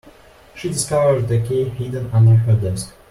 She discovered a key hidden under her desk.